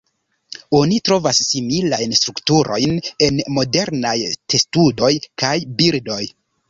Oni trovas similajn strukturojn en modernaj testudoj kaj birdoj.